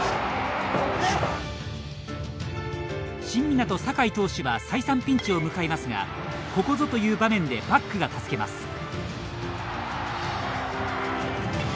新湊・酒井投手は再三、ピンチを迎えますがここぞという場面でバックが助けます。